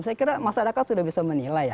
saya kira masyarakat sudah bisa menilai ya